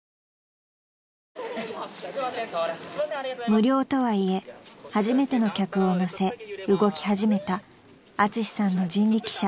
［無料とはいえ初めての客を乗せ動き始めたアツシさんの人力車］